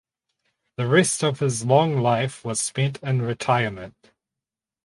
The rest of his long life was spent in retirement.